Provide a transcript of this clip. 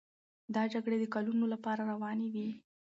دا جګړې د کلونو لپاره روانې وې.